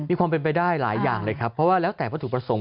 มีความเป็นไปได้หลายอย่างเลยครับเพราะว่าแล้วแต่วัตถุประสงค์